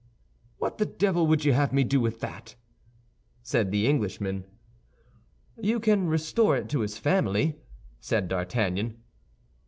"What the devil would you have me do with that?" said the Englishman. "You can restore it to his family," said D'Artagnan.